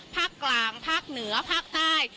ภาคกลางภาคเหนือภาคใต้